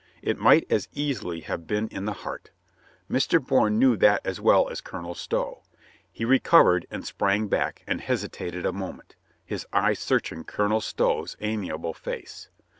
It might as easily have been in the heart. Mr. Bourne knew that as well as Colonel Stow. He recovered and sprang back, and hesitated a moment, his eyes searching Colonel Stow's amiable face.